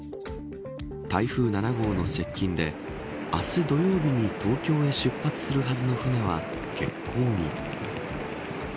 台風７号の接近で明日土曜日に東京へ出発するはずの船は欠航に。